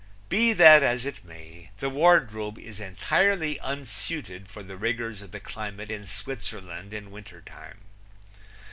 Be that as it may, the wardrobe is entirely unsuited for the rigors of the climate in Switzerland in winter time.